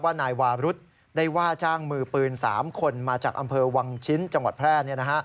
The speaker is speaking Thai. นายวารุธได้ว่าจ้างมือปืน๓คนมาจากอำเภอวังชิ้นจังหวัดแพร่